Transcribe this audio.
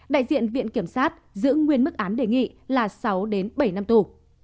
đại diện viện kiểm sát giữ nguyên mức án đề nghị là sáu đến bảy năm tù